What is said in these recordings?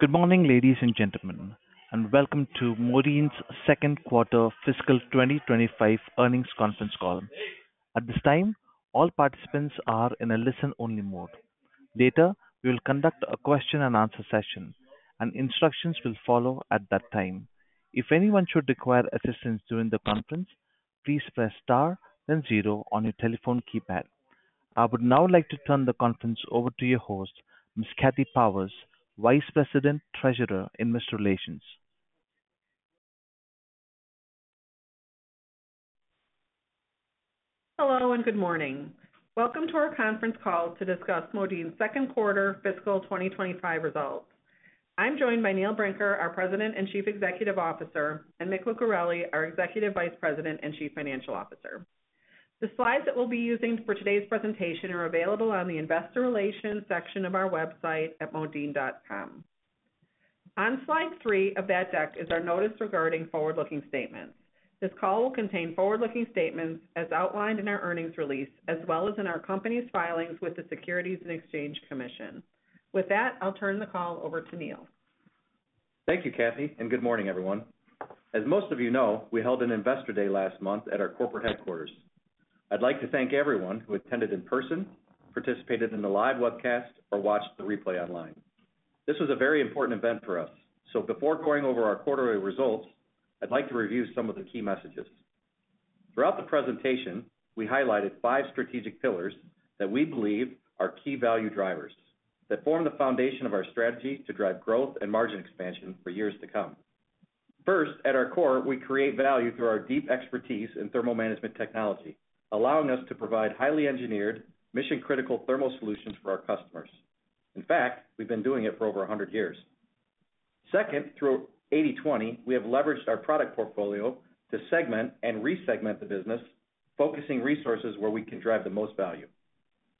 Good morning, ladies and gentlemen, and welcome to Modine's second quarter fiscal 2025 earnings conference call. At this time, all participants are in a listen-only mode. Later, we will conduct a question-and-answer session, and instructions will follow at that time. If anyone should require assistance during the conference, please press star then zero on your telephone keypad. I would now like to turn the conference over to your host, Ms. Kathy Powers, Vice President, Treasurer, and Investor Relations. Hello and good morning. Welcome to our conference call to discuss Modine's second quarter fiscal 2025 results. I'm joined by Neil Brinker, our President and Chief Executive Officer, and Mick Lucareli, our Executive Vice President and Chief Financial Officer. The slides that we'll be using for today's presentation are available on the Investor Relations section of our website at modine.com. On slide three of that deck is our Notice Regarding Forward-Looking Statements. This call will contain forward-looking statements as outlined in our earnings release, as well as in our company's filings with the Securities and Exchange Commission. With that, I'll turn the call over to Neil. Thank you, Kathy, and good morning, everyone. As most of you know, we held an Investor Day last month at our corporate headquarters. I'd like to thank everyone who attended in person, participated in the live webcast, or watched the replay online. This was a very important event for us, so before going over our quarterly results, I'd like to review some of the key messages. Throughout the presentation, we highlighted five strategic pillars that we believe are key value drivers that form the foundation of our strategy to drive growth and margin expansion for years to come. First, at our core, we create value through our deep expertise in thermal management technology, allowing us to provide highly engineered, mission-critical thermal solutions for our customers. In fact, we've been doing it for over 100 years. Second, through 80/20, we have leveraged our product portfolio to segment and resegment the business, focusing resources where we can drive the most value.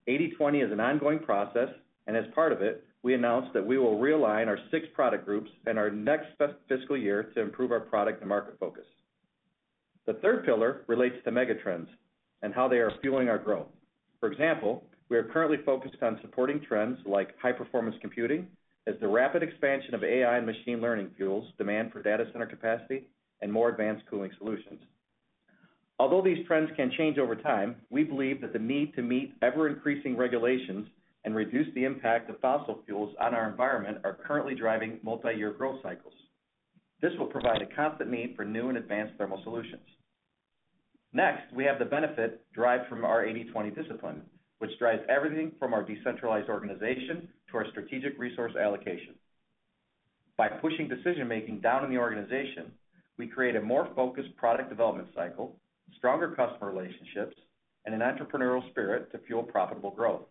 80/20 is an ongoing process, and as part of it, we announced that we will realign our six product groups in our next fiscal year to improve our product and market focus. The third pillar relates to megatrends and how they are fueling our growth. For example, we are currently focused on supporting trends like high-performance computing, as the rapid expansion of AI and machine learning fuels demand for data center capacity and more advanced cooling solutions. Although these trends can change over time, we believe that the need to meet ever-increasing regulations and reduce the impact of fossil fuels on our environment are currently driving multi-year growth cycles. This will provide a constant need for new and advanced thermal solutions. Next, we have the benefit derived from our 80/20 discipline, which drives everything from our decentralized organization to our strategic resource allocation. By pushing decision-making down in the organization, we create a more focused product development cycle, stronger customer relationships, and an entrepreneurial spirit to fuel profitable growth.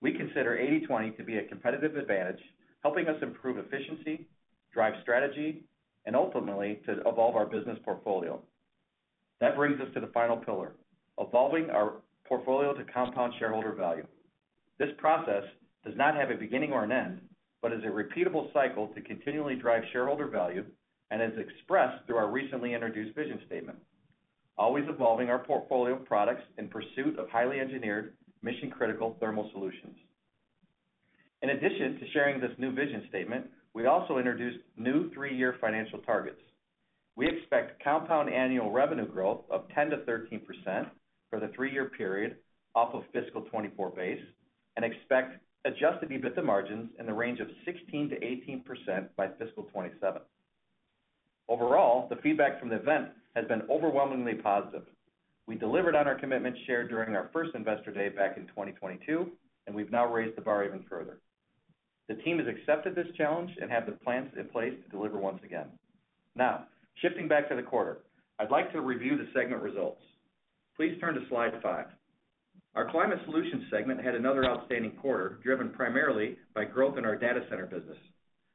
We consider 80/20 to be a competitive advantage, helping us improve efficiency, drive strategy, and ultimately to evolve our business portfolio. That brings us to the final pillar: evolving our portfolio to compound shareholder value. This process does not have a beginning or an end, but is a repeatable cycle to continually drive shareholder value and is expressed through our recently introduced vision statement: always evolving our portfolio of products in pursuit of highly engineered, mission-critical thermal solutions. In addition to sharing this new vision statement, we also introduced new three-year financial targets. We expect compound annual revenue growth of 10%-13% for the three-year period off of fiscal 2024 base and expect Adjusted EBITDA margins in the range of 16%-18% by fiscal 2027. Overall, the feedback from the event has been overwhelmingly positive. We delivered on our commitment shared during our first Investor Day back in 2022, and we've now raised the bar even further. The team has accepted this challenge and have the plans in place to deliver once again. Now, shifting back to the quarter, I'd like to review the segment results. Please turn to slide five. Our Climate Solutions segment had another outstanding quarter driven primarily by growth in our data center business.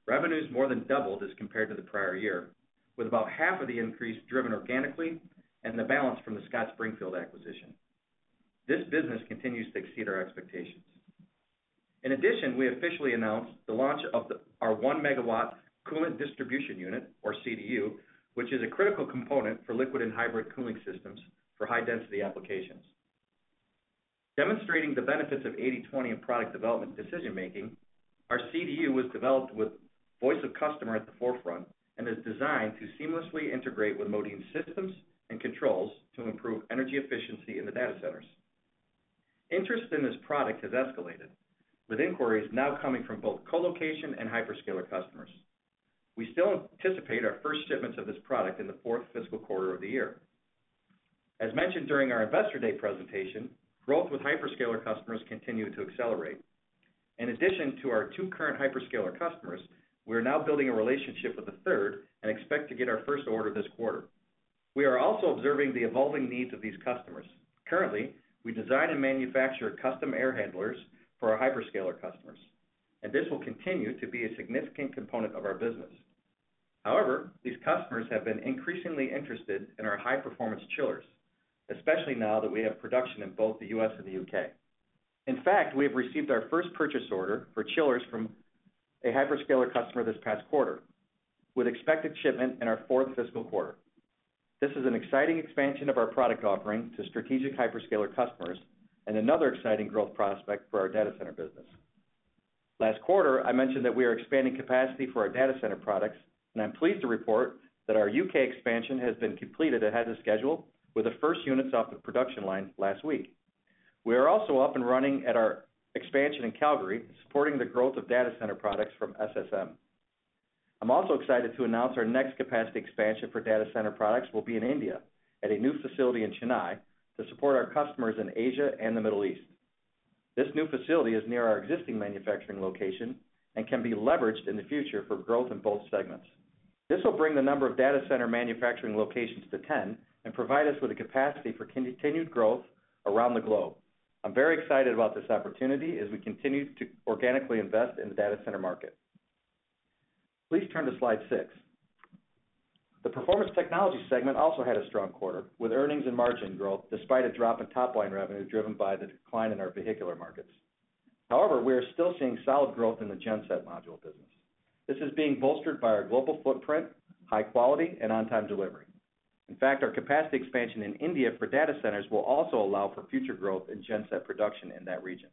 Revenues more than doubled as compared to the prior year, with about half of the increase driven organically and the balance from the Scott Springfield acquisition. This business continues to exceed our expectations. In addition, we officially announced the launch of our one-megawatt coolant distribution unit, or CDU, which is a critical component for liquid and hybrid cooling systems for high-density applications. Demonstrating the benefits of 80/20 in product development decision-making, our CDU was developed with voice of customer at the forefront and is designed to seamlessly integrate with Modine's systems and controls to improve energy efficiency in the data centers. Interest in this product has escalated, with inquiries now coming from both colocation and hyperscaler customers. We still anticipate our first shipments of this product in the fourth fiscal quarter of the year. As mentioned during our Investor Day presentation, growth with hyperscaler customers continued to accelerate. In addition to our two current hyperscaler customers, we are now building a relationship with a third and expect to get our first order this quarter. We are also observing the evolving needs of these customers. Currently, we design and manufacture custom air handlers for our hyperscaler customers, and this will continue to be a significant component of our business. However, these customers have been increasingly interested in our high-performance chillers, especially now that we have production in both the U.S. and the U.K. In fact, we have received our first purchase order for chillers from a hyperscaler customer this past quarter, with expected shipment in our fourth fiscal quarter. This is an exciting expansion of our product offering to strategic hyperscaler customers and another exciting growth prospect for our data center business. Last quarter, I mentioned that we are expanding capacity for our data center products, and I'm pleased to report that our U.K. expansion has been completed ahead of schedule, with the first units off the production line last week. We are also up and running at our expansion in Calgary, supporting the growth of data center products from SSM. I'm also excited to announce our next capacity expansion for data center products will be in India at a new facility in Chennai to support our customers in Asia and the Middle East. This new facility is near our existing manufacturing location and can be leveraged in the future for growth in both segments. This will bring the number of data center manufacturing locations to 10 and provide us with the capacity for continued growth around the globe. I'm very excited about this opportunity as we continue to organically invest in the data center market. Please turn to slide six. Performance Technologies segment also had a strong quarter, with earnings and margin growth despite a drop in top-line revenue driven by the decline in our vehicular markets. However, we are still seeing solid growth in the Genset module business. This is being bolstered by our global footprint, high quality, and on-time delivery. In fact, our capacity expansion in India for data centers will also allow for future growth in Genset production in that region.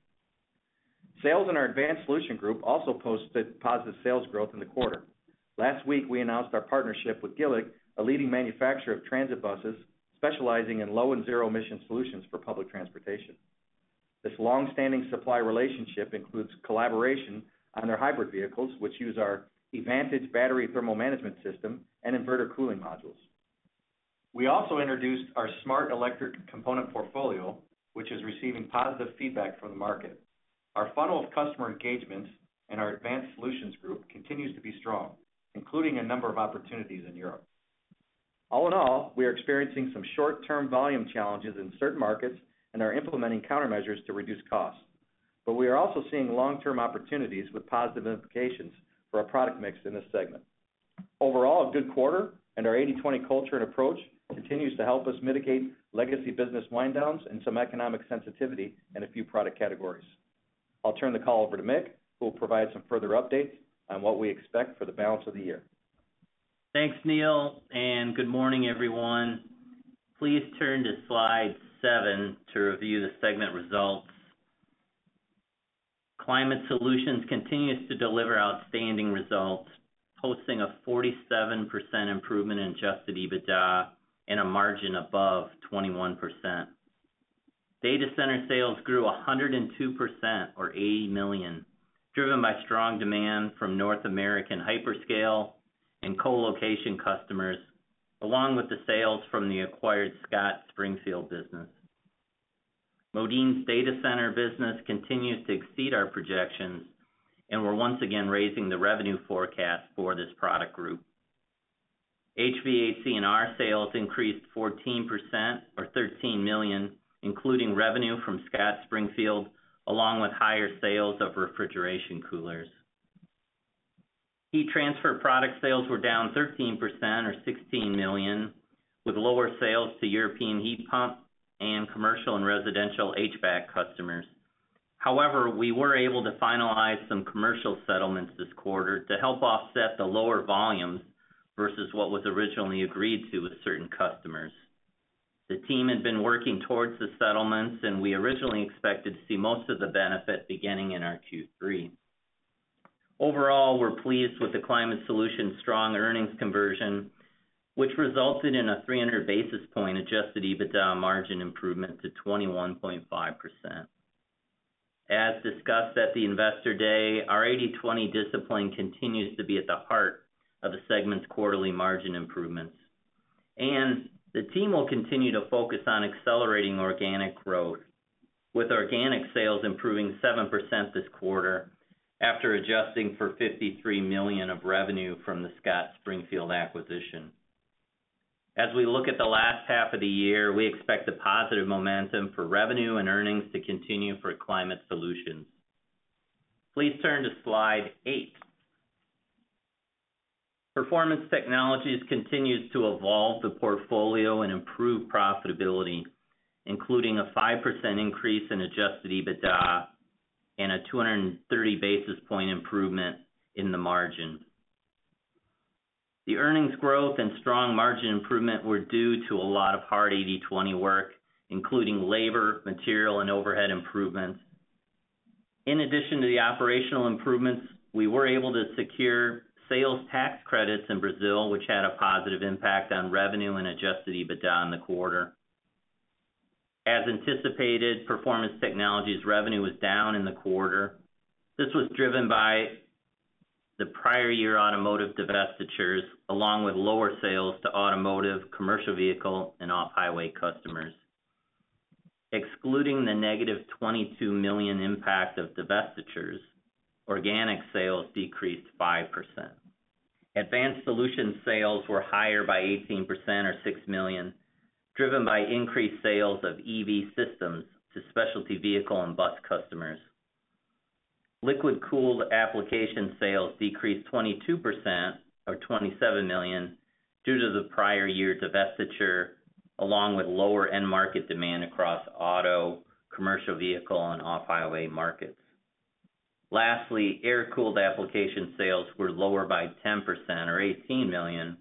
Sales in our Advanced Solutions group also posted positive sales growth in the quarter. Last week, we announced our partnership with Gillig, a leading manufacturer of transit buses specializing in low and zero-emission solutions for public transportation. This long-standing supply relationship includes collaboration on their hybrid vehicles, which use our EVantage battery thermal management system and inverter cooling modules. We also introduced our Smart Electric Component portfolio, which is receiving positive feedback from the market. Our funnel of customer engagements and our Advanced Solutions group continues to be strong, including a number of opportunities in Europe. All in all, we are experiencing some short-term volume challenges in certain markets and are implementing countermeasures to reduce costs. But we are also seeing long-term opportunities with positive implications for our product mix in this segment. Overall, a good quarter and our 80/20 culture and approach continues to help us mitigate legacy business wind-downs and some economic sensitivity in a few product categories. I'll turn the call over to Mick, who will provide some further updates on what we expect for the balance of the year. Thanks, Neil, and good morning, everyone. Please turn to slide seven to review the segment results. Climate Solutions continues to deliver outstanding results, posting a 47% improvement in Adjusted EBITDA and a margin above 21%. Data center sales grew 102%, or $80 million, driven by strong demand from North American hyperscale and colocation customers, along with the sales from the acquired Scott Springfield business. Modine's data center business continues to exceed our projections, and we're once again raising the revenue forecast for this product group. HVAC & R sales increased 14%, or $13 million, including revenue from Scott Springfield, along with higher sales of refrigeration coolers. Heat Transfer Product sales were down 13%, or $16 million, with lower sales to European heat pump and commercial and residential HVAC customers. However, we were able to finalize some commercial settlements this quarter to help offset the lower volumes versus what was originally agreed to with certain customers. The team had been working towards the settlements, and we originally expected to see most of the benefit beginning in our Q3. Overall, we're pleased with the Climate Solutions' strong earnings conversion, which resulted in a 300 basis point Adjusted EBITDA margin improvement to 21.5%. As discussed at the Investor Day, our 80/20 discipline continues to be at the heart of the segment's quarterly margin improvements. And the team will continue to focus on accelerating organic growth, with organic sales improving 7% this quarter after adjusting for $53 million of revenue from the Scott Springfield acquisition. As we look at the last half of the year, we expect the positive momentum for revenue and earnings to continue for Climate Solutions. Please turn to slide eight. Performance Technologies continue to evolve the portfolio and improve profitability, including a 5% increase in adjusted EBITDA and a 230 basis point improvement in the margin. The earnings growth and strong margin improvement were due to a lot of hard 80/20 work, including labor, material, and overhead improvements. In addition to the operational improvements, we were able to secure sales tax credits in Brazil, which had a positive impact on revenue and adjusted EBITDA in the quarter. As anticipated, Performance Technologies' revenue was down in the quarter. This was driven by the prior year automotive divestitures, along with lower sales to automotive, commercial vehicle, and off-highway customers. Excluding the negative 22 million impact of divestitures, organic sales decreased 5%. Advanced Solutions sales were higher by 18%, or 6 million, driven by increased sales of EV systems to specialty vehicle and bus customers. Liquid Cooled Applications sales decreased 22%, or $27 million, due to the prior year divestiture, along with lower end-market demand across auto, commercial vehicle, and off-highway markets. Lastly, Air Cooled Applications sales were lower by 10%, or $18 million,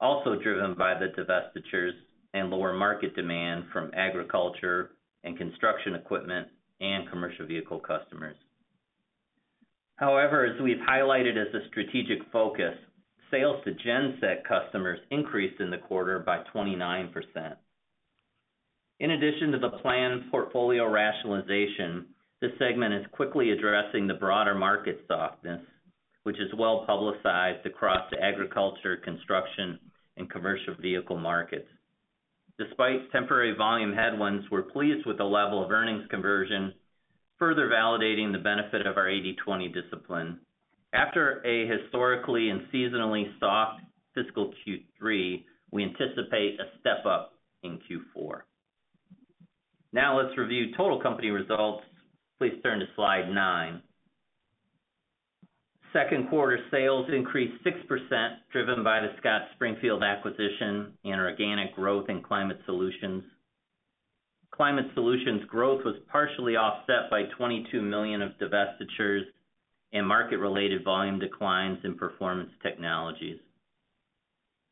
also driven by the divestitures and lower market demand from agriculture and construction equipment and commercial vehicle customers. However, as we've highlighted as a strategic focus, sales to Genset customers increased in the quarter by 29%. In addition to the planned portfolio rationalization, this segment is quickly addressing the broader market softness, which is well publicized across the agriculture, construction, and commercial vehicle markets. Despite temporary volume headwinds, we're pleased with the level of earnings conversion, further validating the benefit of our 80/20 discipline. After a historically and seasonally soft fiscal Q3, we anticipate a step-up in Q4. Now, let's review total company results. Please turn to slide nine. Second quarter sales increased 6%, driven by the Scott Springfield acquisition and organic growth in Climate Solutions. Climate Solutions' growth was partially offset by $22 million of divestitures and market-related volume declines in Performance Technologies.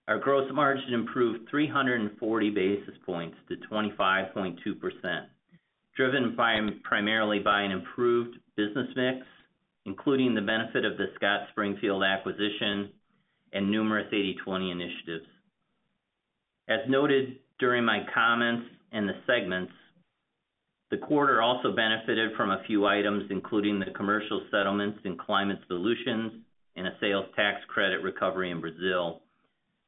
Our gross margin improved 340 basis points to 25.2%, driven primarily by an improved business mix, including the benefit of the Scott Springfield acquisition and numerous 80/20 initiatives. As noted during my comments in the segments, the quarter also benefited from a few items, including the commercial settlements in Climate Solutions and a sales tax credit recovery in Brazil.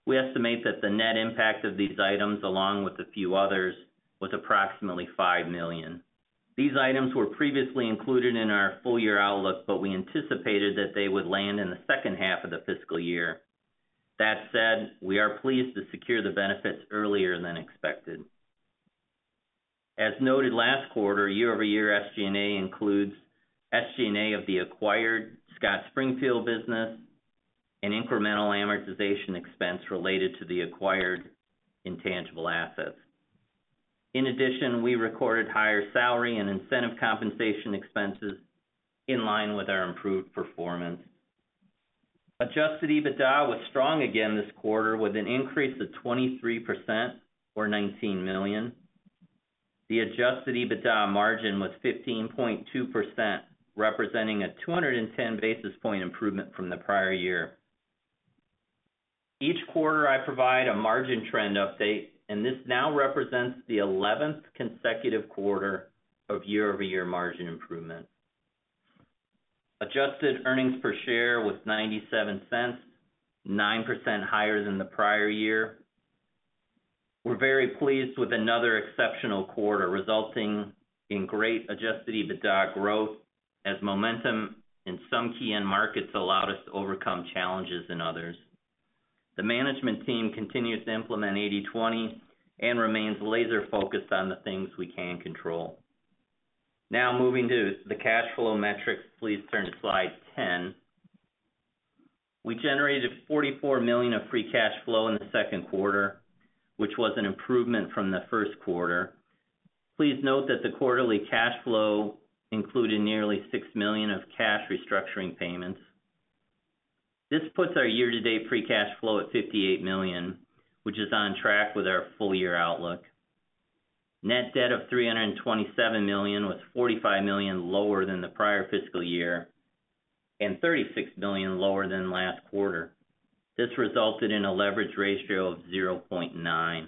We estimate that the net impact of these items, along with a few others, was approximately $5 million. These items were previously included in our full-year outlook, but we anticipated that they would land in the second half of the fiscal year. That said, we are pleased to secure the benefits earlier than expected. As noted last quarter, year-over-year SG&A includes SG&A of the acquired Scott Springfield business and incremental amortization expense related to the acquired intangible assets. In addition, we recorded higher salary and incentive compensation expenses in line with our improved performance. Adjusted EBITDA was strong again this quarter, with an increase of 23%, or $19 million. The adjusted EBITDA margin was 15.2%, representing a 210 basis points improvement from the prior year. Each quarter, I provide a margin trend update, and this now represents the 11th consecutive quarter of year-over-year margin improvement. Adjusted earnings per share was $0.97, 9% higher than the prior year. We're very pleased with another exceptional quarter, resulting in great adjusted EBITDA growth, as momentum in some key end markets allowed us to overcome challenges in others. The management team continues to implement 80/20 and remains laser-focused on the things we can control. Now, moving to the cash flow metrics, please turn to slide 10. We generated $44 million of free cash flow in the second quarter, which was an improvement from the first quarter. Please note that the quarterly cash flow included nearly $6 million of cash restructuring payments. This puts our year-to-date free cash flow at $58 million, which is on track with our full-year outlook. Net debt of $327 million was $45 million lower than the prior fiscal year and $36 million lower than last quarter. This resulted in a leverage ratio of 0.9.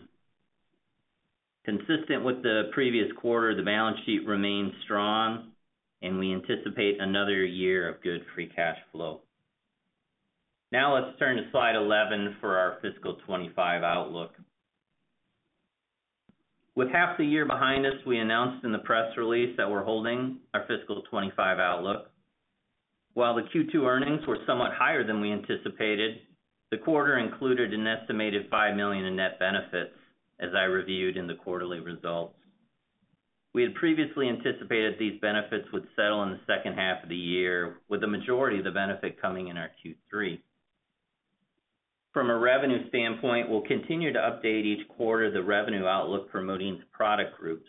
Consistent with the previous quarter, the balance sheet remains strong, and we anticipate another year of good free cash flow. Now, let's turn to slide 11 for our fiscal 2025 outlook. With half the year behind us, we announced in the press release that we're holding our fiscal 2025 outlook. While the Q2 earnings were somewhat higher than we anticipated, the quarter included an estimated $5 million in net benefits, as I reviewed in the quarterly results. We had previously anticipated these benefits would settle in the second half of the year, with the majority of the benefit coming in our Q3. From a revenue standpoint, we'll continue to update each quarter the revenue outlook for Modine's product groups.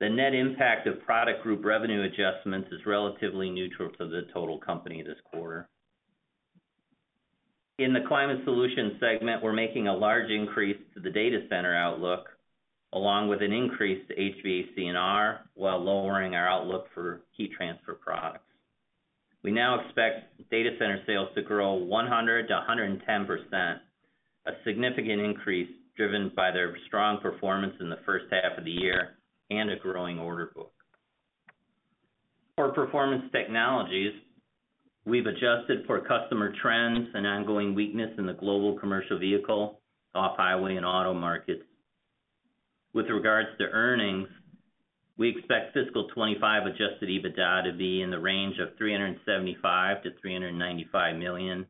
The net impact of product group revenue adjustments is relatively neutral to the total company this quarter. In the climate solution segment, we're making a large increase to the data center outlook, along with an increase to HVAC & R, while lowering our outlook for Heat Transfer Products. We now expect data center sales to grow 100%-110%, a significant increase driven by their strong performance in the first half of the year and a growing order book. For Performance Technologies, we've adjusted for customer trends and ongoing weakness in the global commercial vehicle, off-highway, and auto markets. With regards to earnings, we expect fiscal 2025 Adjusted EBITDA to be in the range of $375 million-$395 million.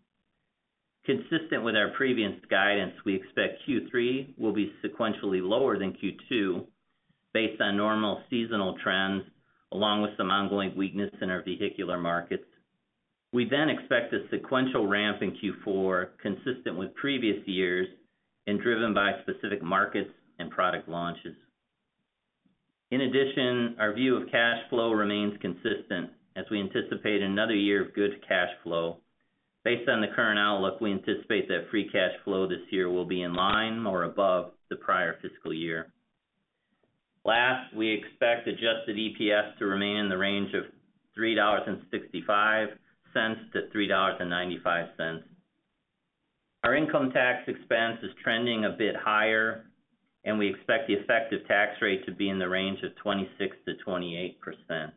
Consistent with our previous guidance, we expect Q3 will be sequentially lower than Q2, based on normal seasonal trends, along with some ongoing weakness in our vehicular markets. We then expect a sequential ramp in Q4, consistent with previous years and driven by specific markets and product launches. In addition, our view of cash flow remains consistent, as we anticipate another year of good cash flow. Based on the current outlook, we anticipate that free cash flow this year will be in line or above the prior fiscal year. Last, we expect Adjusted EPS to remain in the range of $3.65-$3.95. Our income tax expense is trending a bit higher, and we expect the effective tax rate to be in the range of 26%-28%.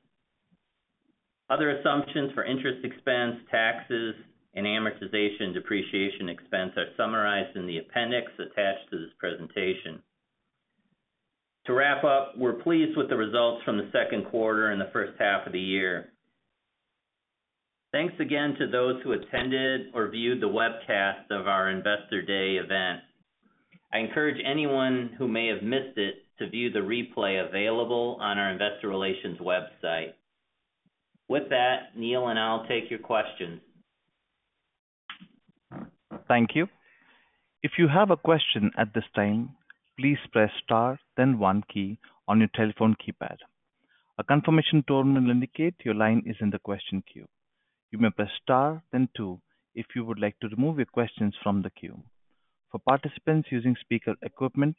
Other assumptions for interest expense, taxes, and amortization depreciation expense are summarized in the appendix attached to this presentation. To wrap up, we're pleased with the results from the second quarter and the first half of the year. Thanks again to those who attended or viewed the webcast of our Investor Day event. I encourage anyone who may have missed it to view the replay available on our investor relations website. With that, Neil and I'll take your questions. Thank you. If you have a question at this time, please press star, then one key on your telephone keypad. A confirmation tone will indicate your line is in the question queue. You may press star, then two if you would like to remove your questions from the queue. For participants using speaker equipment,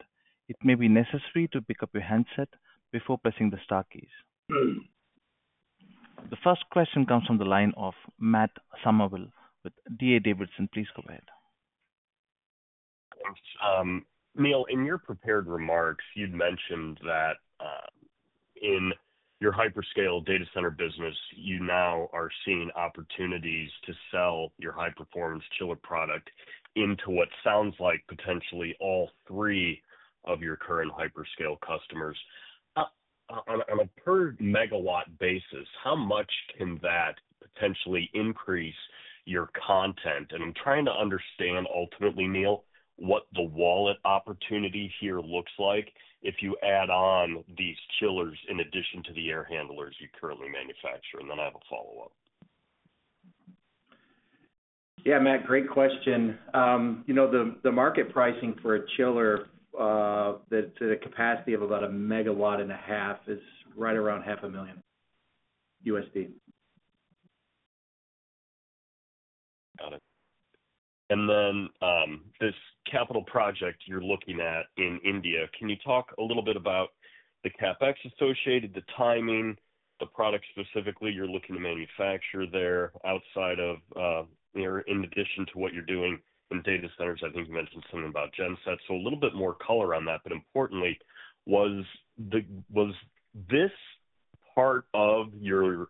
it may be necessary to pick up your handset before pressing the star keys. The first question comes from the line of Matt Summerville with DA Davidson. Please go ahead. Thanks. Neil, in your prepared remarks, you'd mentioned that in your hyperscale data center business, you now are seeing opportunities to sell your high-performance chiller product into what sounds like potentially all three of your current hyperscale customers. On a per megawatt basis, how much can that potentially increase your content? And I'm trying to understand ultimately, Neil, what the wallet opportunity here looks like if you add on these chillers in addition to the air handlers you currently manufacture. And then I have a follow-up. Yeah, Matt, great question. The market pricing for a chiller to the capacity of about a megawatt and a half is right around $500,000. Got it. And then this capital project you're looking at in India, can you talk a little bit about the CapEx associated, the timing, the product specifically you're looking to manufacture there outside of, or in addition to what you're doing in data centers? I think you mentioned something about Gensets. So a little bit more color on that. But importantly, was this part of your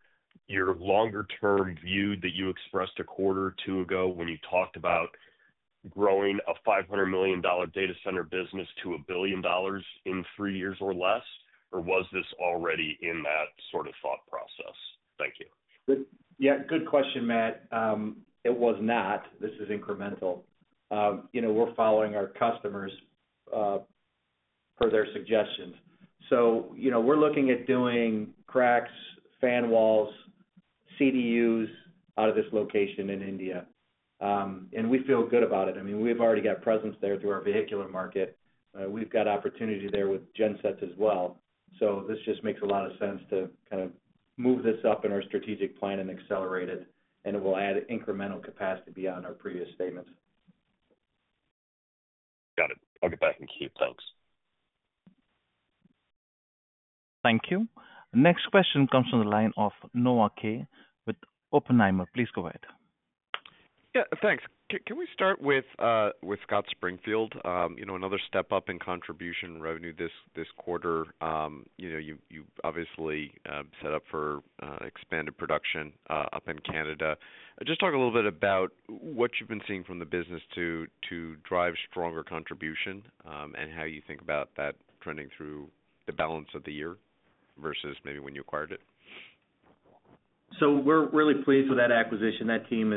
longer-term view that you expressed a quarter or two ago when you talked about growing a $500 million data center business to $1 billion in three years or less? Or was this already in that sort of thought process? Thank you. Yeah, good question, Matt. It was not. This is incremental. We're following our customers per their suggestions. So we're looking at doing CRACs, fan walls, CDUs out of this location in India. And we feel good about it. I mean, we've already got presence there through our vehicular market. We've got opportunity there with Gensets as well. So this just makes a lot of sense to kind of move this up in our strategic plan and accelerate it. And it will add incremental capacity beyond our previous statements. Got it. I'll get back in key. Thanks. Thank you. Next question comes from the line of Noah Kaye with Oppenheimer. Please go ahead. Yeah, thanks. Can we start with Scott Springfield? Another step-up in contribution revenue this quarter. You obviously set up for expanded production up in Canada. Just talk a little bit about what you've been seeing from the business to drive stronger contribution and how you think about that trending through the balance of the year versus maybe when you acquired it. So we're really pleased with that acquisition. That team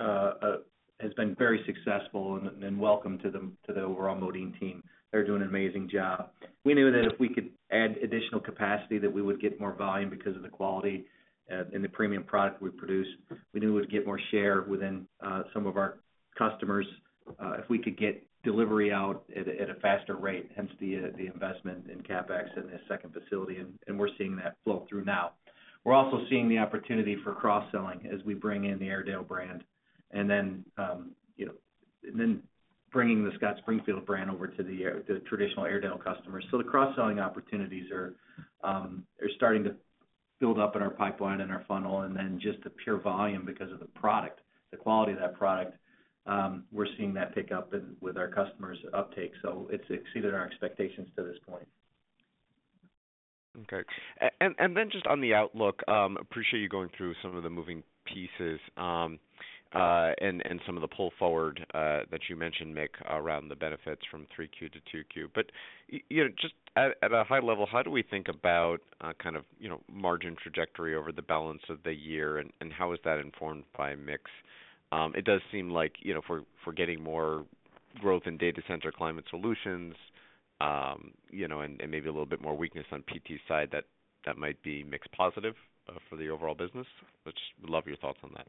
has been very successful and welcome to the overall Modine team. They're doing an amazing job. We knew that if we could add additional capacity, that we would get more volume because of the quality and the premium product we produce. We knew we would get more share within some of our customers if we could get delivery out at a faster rate, hence the investment in CapEx and the second facility. And we're seeing that flow through now. We're also seeing the opportunity for cross-selling as we bring in the Airedale brand and then bringing the Scott Springfield brand over to the traditional Airedale customers. So the cross-selling opportunities are starting to build up in our pipeline and our funnel, and then just the pure volume because of the product, the quality of that product. We're seeing that pick up with our customers' uptake. So it's exceeded our expectations to this point. Okay. And then just on the outlook, appreciate you going through some of the moving pieces and some of the pull forward that you mentioned, Mick, around the benefits from 3Q to 2Q. But just at a high level, how do we think about kind of margin trajectory over the balance of the year? And how is that informed by mix? It does seem like if we're getting more growth in data center Climate Solutions and maybe a little bit more weakness on PT side, that might be mixed positive for the overall business. We'd love your thoughts on that.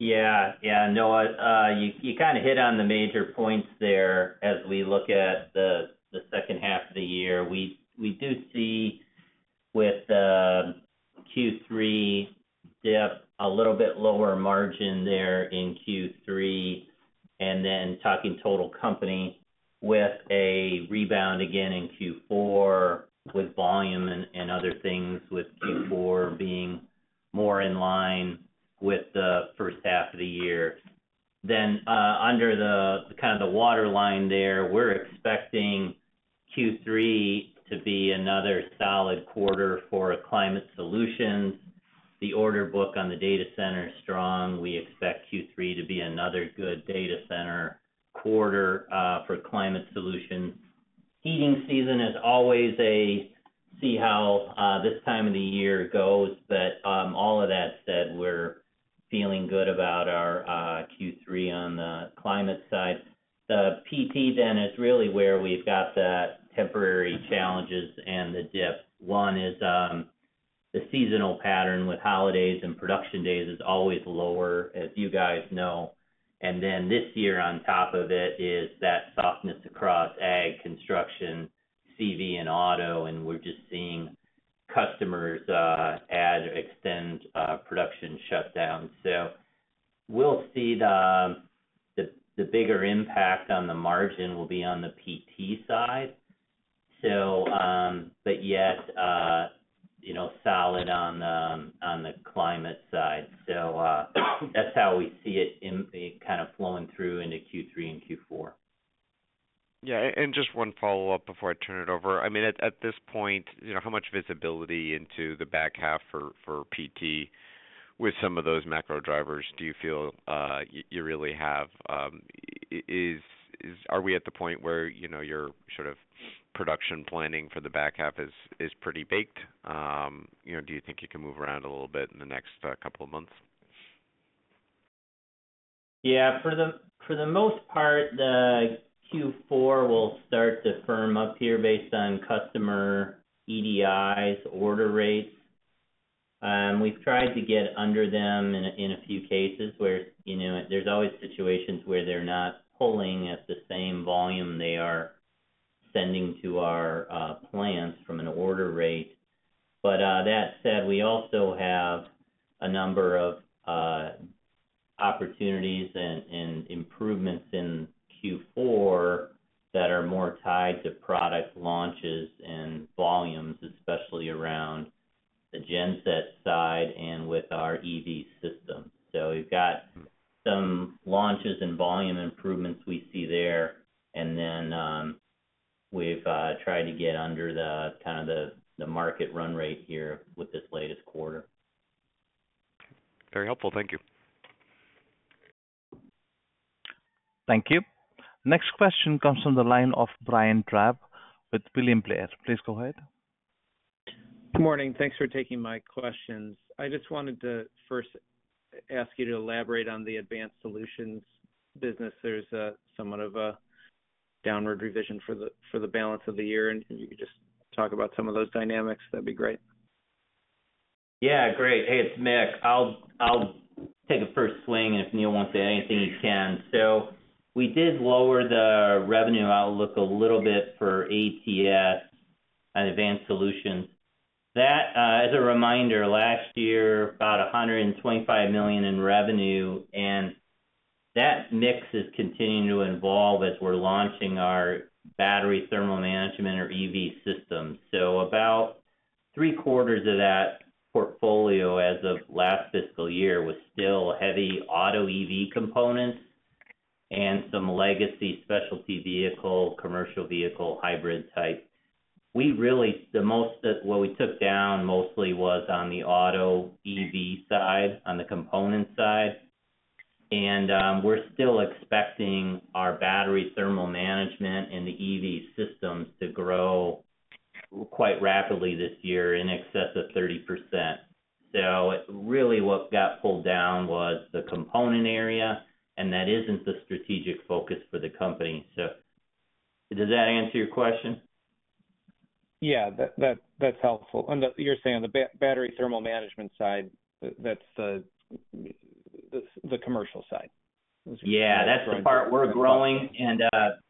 Yeah. Yeah, Noah, you kind of hit on the major points there as we look at the second half of the year. We do see, with Q3 dip, a little bit lower margin there in Q3. And then, talking total company, with a rebound again in Q4 with volume and other things, with Q4 being more in line with the first half of the year. Then, under kind of the waterline there, we're expecting Q3 to be another solid quarter for Climate Solutions. The order book on the data center is strong. We expect Q3 to be another good data center quarter for Climate Solutions. Heating season is always a see how this time of the year goes, but all of that said, we're feeling good about our Q3 on the climate side. The PT then is really where we've got the temporary challenges and the dip. One is the seasonal pattern with holidays and production days is always lower, as you guys know. And then this year, on top of it, is that softness across ag, construction, CV, and auto. And we're just seeing customers add or extend production shutdowns. So we'll see the bigger impact on the margin will be on the PT side, but yet solid on the climate side. So that's how we see it kind of flowing through into Q3 and Q4. Yeah. And just one follow-up before I turn it over. I mean, at this point, how much visibility into the back half for PT with some of those macro drivers do you feel you really have? Are we at the point where your sort of production planning for the back half is pretty baked? Do you think you can move around a little bit in the next couple of months? Yeah. For the most part, the Q4 will start to firm up here based on customer EDIs, order rates. We've tried to get under them in a few cases where there's always situations where they're not pulling at the same volume they are sending to our plants from an order rate. But that said, we also have a number of opportunities and improvements in Q4 that are more tied to product launches and volumes, especially around the genset side and with our EV system. So we've got some launches and volume improvements we see there. And then we've tried to get under kind of the market run rate here with this latest quarter. Okay. Very helpful. Thank you. Thank you. Next question comes from the line of Brian Drab with William Blair. Please go ahead. Good morning. Thanks for taking my questions. I just wanted to first ask you to elaborate on the Advanced Solutions business. There's somewhat of a downward revision for the balance of the year, and if you could just talk about some of those dynamics, that'd be great. Yeah. Great. Hey, it's Mick. I'll take a first swing. And if Neil wants to add anything, he can. So we did lower the revenue outlook a little bit for ATS and Advanced Solutions. That, as a reminder, last year, about $125 million in revenue. And that mix is continuing to evolve as we're launching our battery thermal management or EV systems. So about three-quarters of that portfolio as of last fiscal year was still heavy auto EV components and some legacy specialty vehicle, commercial vehicle, hybrid type. The most that we took down mostly was on the auto EV side, on the component side. And we're still expecting our battery thermal management and the EV systems to grow quite rapidly this year in excess of 30%. So really what got pulled down was the component area. And that isn't the strategic focus for the company. So does that answer your question? Yeah. That's helpful. And you're saying on the battery thermal management side, that's the commercial side. Yeah. That's the part we're growing, and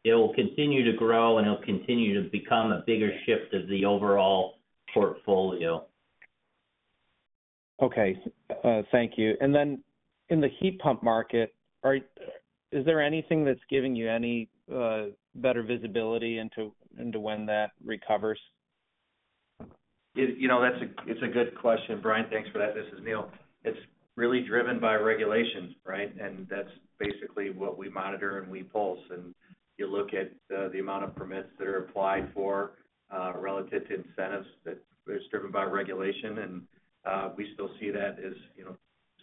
it will continue to grow, and it'll continue to become a bigger shift of the overall portfolio. Okay. Thank you. And then in the heat pump market, is there anything that's giving you any better visibility into when that recovers? It's a good question. Brian, thanks for that. This is Neil. It's really driven by regulations, right? And that's basically what we monitor and we pulse. And you look at the amount of permits that are applied for relative to incentives that is driven by regulation. And we still see that as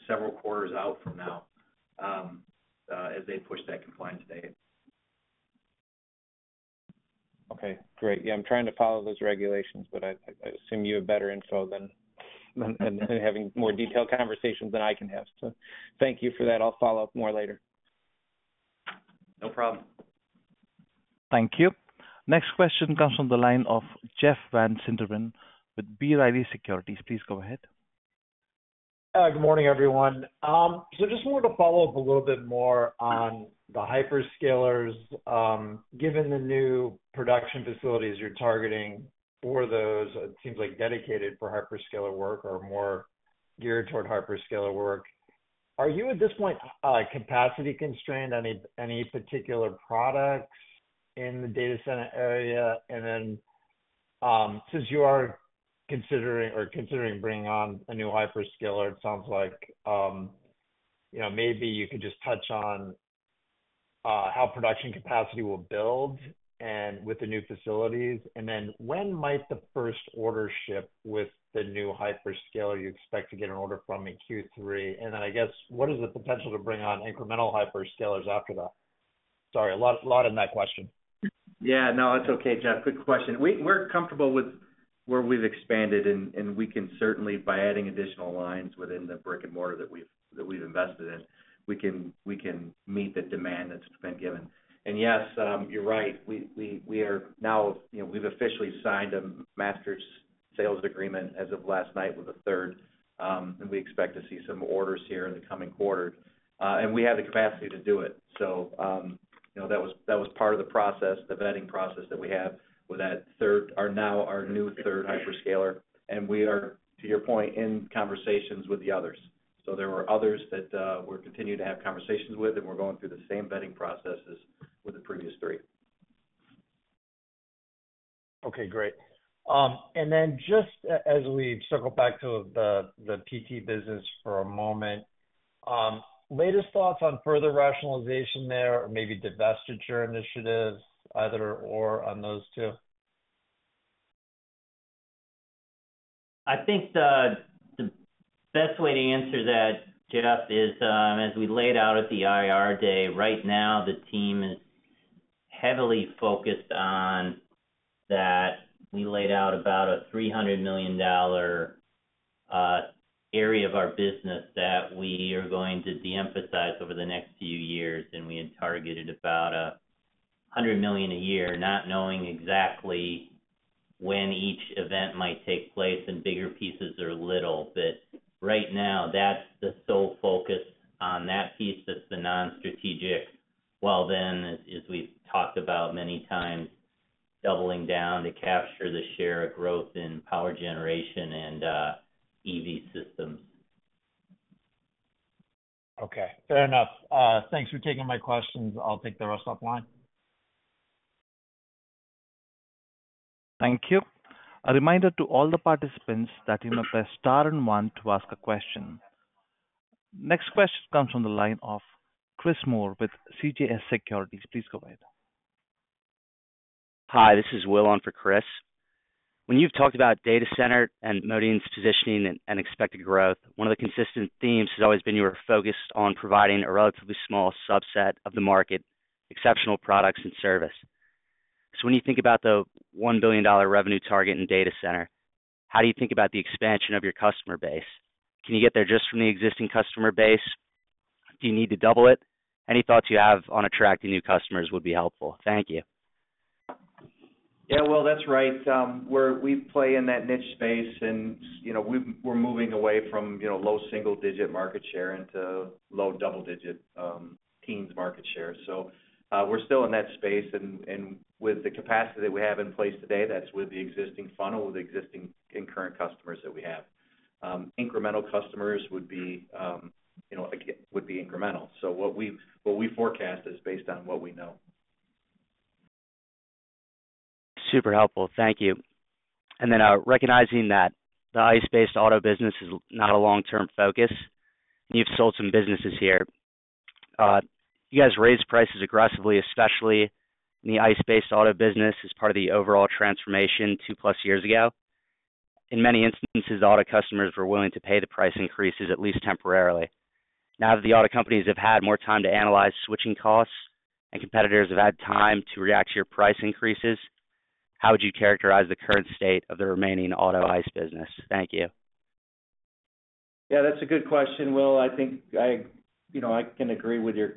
several quarters out from now as they push that compliance date. Okay. Great. Yeah. I'm trying to follow those regulations, but I assume you have better info than having more detailed conversations than I can have. So thank you for that. I'll follow up more later. No problem. Thank you. Next question comes from the line of Jeff Van Sinderen with B. Riley Securities. Please go ahead. Good morning, everyone. So just wanted to follow up a little bit more on the hyperscalers. Given the new production facilities you're targeting for those, it seems like dedicated for hyperscaler work or more geared toward hyperscaler work. Are you at this point capacity constrained? Any particular products in the data center area? And then since you are considering bringing on a new hyperscaler, it sounds like maybe you could just touch on how production capacity will build with the new facilities. And then when might the first order ship with the new hyperscaler you expect to get an order from in Q3? And then I guess, what is the potential to bring on incremental hyperscalers after that? Sorry. A lot in that question. Yeah. No, that's okay, Jeff. Quick question. We're comfortable with where we've expanded, and we can certainly, by adding additional lines within the brick and mortar that we've invested in, we can meet the demand that's been given, and yes, you're right. We are now we've officially signed a master sales agreement as of last night with a third, and we expect to see some orders here in the coming quarter, and we have the capacity to do it, so that was part of the process, the vetting process that we have with that third, now our new third hyperscaler, and we are, to your point, in conversations with the others, so there were others that we're continuing to have conversations with, and we're going through the same vetting processes with the previous three. Okay. Great. And then just as we circle back to the PT business for a moment, latest thoughts on further rationalization there or maybe divestiture initiatives, either or on those two? I think the best way to answer that, Jeff, is as we laid out at the IR day. Right now, the team is heavily focused on that. We laid out about a $300 million area of our business that we are going to de-emphasize over the next few years. And we had targeted about $100 million a year, not knowing exactly when each event might take place and bigger pieces or little. But right now, that's the sole focus on that piece that's the non-strategic. Well then, as we've talked about many times, doubling down to capture the share of growth in power generation and EV systems. Okay. Fair enough. Thanks for taking my questions. I'll take the rest offline. Thank you. A reminder to all the participants that you may press star and one to ask a question. Next question comes from the line of Chris Moore with CJS Securities. Please go ahead. Hi. This is Will on for Chris. When you've talked about data center and Modine's positioning and expected growth, one of the consistent themes has always been you are focused on providing a relatively small subset of the market, exceptional products and service. So when you think about the $1 billion revenue target in data center, how do you think about the expansion of your customer base? Can you get there just from the existing customer base? Do you need to double it? Any thoughts you have on attracting new customers would be helpful. Thank you. Yeah. Well, that's right. We play in that niche space. And we're moving away from low single-digit market share into low double-digit teens market share. So we're still in that space. And with the capacity that we have in place today, that's with the existing funnel, with the existing and current customers that we have. Incremental customers would be incremental. So what we forecast is based on what we know. Super helpful. Thank you. And then recognizing that the ICE-based auto business is not a long-term focus, and you've sold some businesses here, you guys raised prices aggressively, especially in the ICE-based auto business as part of the overall transformation two-plus years ago. In many instances, auto customers were willing to pay the price increases at least temporarily. Now that the auto companies have had more time to analyze switching costs and competitors have had time to react to your price increases, how would you characterize the current state of the remaining auto ICE business? Thank you. Yeah. That's a good question, Will. I think I can agree with your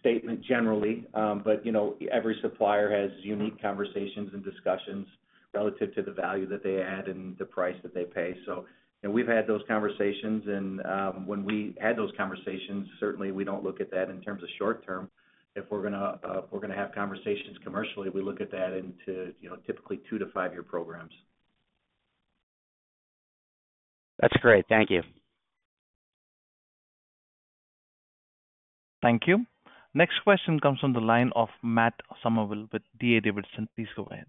statement generally. But every supplier has unique conversations and discussions relative to the value that they add and the price that they pay. So we've had those conversations. And when we had those conversations, certainly, we don't look at that in terms of short-term. If we're going to have conversations commercially, we look at that into typically two-to-five-year programs. That's great. Thank you. Thank you. Next question comes from the line of Matt Summerville with DA Davidson. Please go ahead.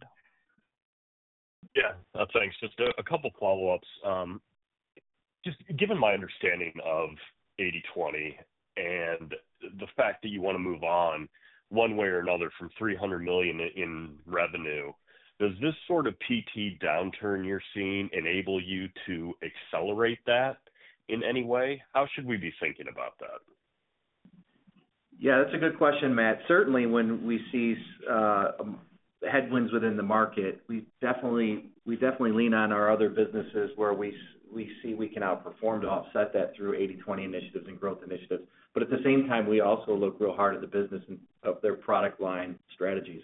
Yeah. Thanks. Just a couple of follow-ups. Just given my understanding of 80/20 and the fact that you want to move on one way or another from $300 million in revenue, does this sort of PT downturn you're seeing enable you to accelerate that in any way? How should we be thinking about that? Yeah. That's a good question, Matt. Certainly, when we see headwinds within the market, we definitely lean on our other businesses where we see we can outperform to offset that through 80/20 initiatives and growth initiatives. But at the same time, we also look real hard at the business of their product line strategies.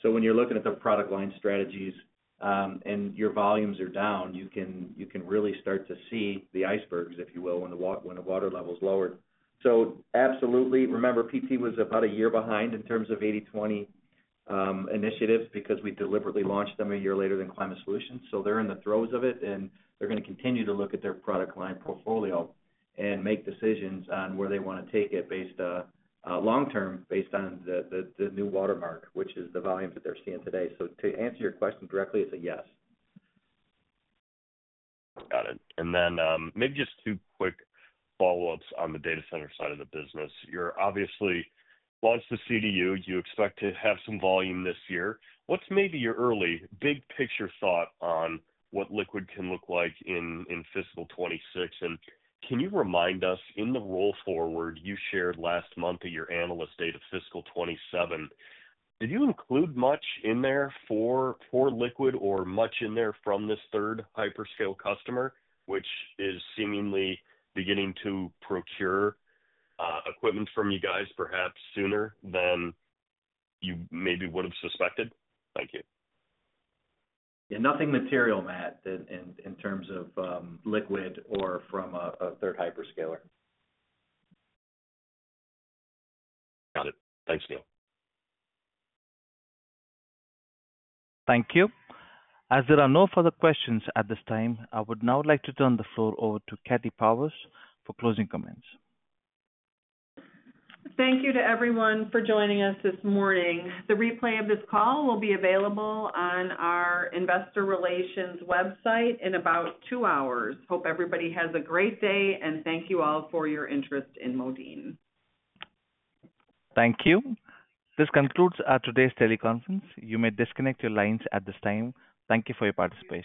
So when you're looking at their product line strategies and your volumes are down, you can really start to see the icebergs, if you will, when the water level's lowered. So absolutely. Remember, PT was about a year behind in terms of 80/20 initiatives because we deliberately launched them a year later than Climate Solutions. So they're in the throes of it. And they're going to continue to look at their product line portfolio and make decisions on where they want to take it long-term based on the new watermark, which is the volume that they're seeing today. So to answer your question directly, it's a yes. Got it. And then maybe just two quick follow-ups on the data center side of the business. You're obviously launched the CDU. You expect to have some volume this year. What's maybe your early big-picture thought on what liquid can look like in fiscal 2026? And can you remind us, in the roll forward you shared last month at your analyst day of fiscal 2027, did you include much in there for liquid or much in there from this third hyperscaler customer, which is seemingly beginning to procure equipment from you guys perhaps sooner than you maybe would have suspected? Thank you. Yeah. Nothing material, Matt, in terms of liquid or from a third hyperscaler. Got it. Thanks, Neil. Thank you. As there are no further questions at this time, I would now like to turn the floor over to Kathy Powers for closing comments. Thank you to everyone for joining us this morning. The replay of this call will be available on our investor relations website in about two hours. Hope everybody has a great day, and thank you all for your interest in Modine. Thank you. This concludes today's teleconference. You may disconnect your lines at this time. Thank you for your participation.